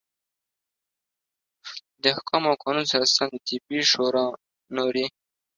د احکامو او قانون سره سم د طبي شورا نورې